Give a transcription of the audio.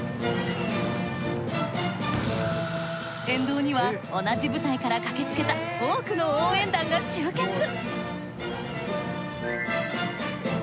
沿道には同じ部隊から駆けつけた多くの応援団が集結。